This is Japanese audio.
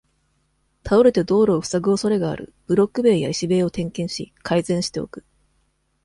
倒れて道路をふさぐ恐れがある、ブロック塀や、石塀を点検し、改善しておく。